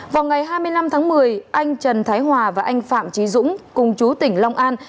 vào ngày hai mươi năm tháng một mươi anh trần thái hòa và anh phạm trí dũng cùng chú tỉnh long an